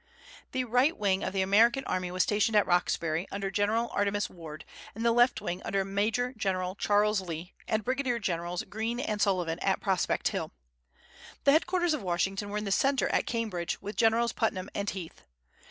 The right wing of the American army was stationed at Roxbury, under General Artemas Ward, and the left wing, under Major General Charles Lee and Brigadier Generals Greene and Sullivan, at Prospect Hill. The headquarters of Washington were in the centre, at Cambridge, with Generals Putnam and Heath.